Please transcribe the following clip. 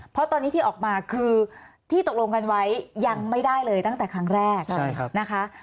เพราะตอนนี้ที่ออกมาคือที่ตกลงกันไว้ยังไม่ได้เลยตั้งแต่ครั้งแรกนะคะ